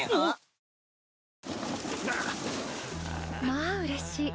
まあうれしい。